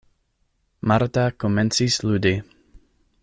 Marta komencis ludi.